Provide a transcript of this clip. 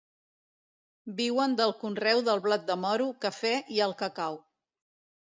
Viuen del conreu de blat de moro, cafè i el cacau.